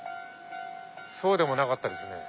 そうでもなかったですね。